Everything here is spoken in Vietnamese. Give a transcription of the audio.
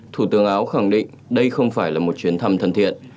thủ tướng áo khẳng định đây không phải là một chuyến thăm thân thiện